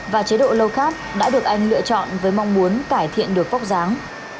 và chế độ low carb đã được anh lựa chọn với mong muốn cải thiện được phóc giáng